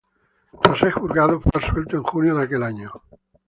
Tras ser juzgado, fue absuelto en junio de aquel año.